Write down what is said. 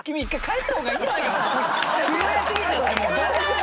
震えすぎちゃってもう。